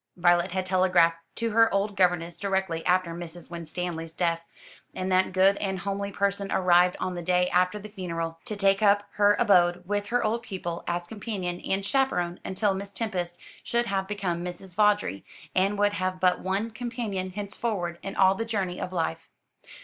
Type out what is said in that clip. Violet had telegraphed to her old governess directly after Mrs. Winstanley's death; and that good and homely person arrived on the day after the funeral, to take up her abode with her old pupil, as companion and chaperon, until Miss Tempest should have become Mrs. Vawdrey, and would have but one companion henceforward in all the journey of life.